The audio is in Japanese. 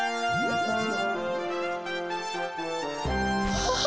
ああ！